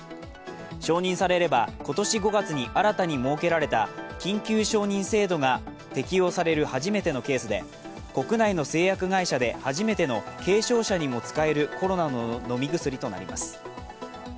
承認されれば今年５月に新たに設けられた緊急承認制度が適用される初めてのケースで国内の製薬会社で初めての軽症者にも使えるコロナの飲み薬となります。